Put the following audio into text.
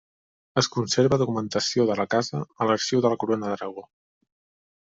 Es conserva documentació de la casa a l'arxiu de la corona d'Aragó.